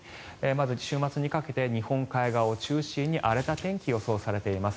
週末にかけて日本海側を中心に荒れた天気が予想されています。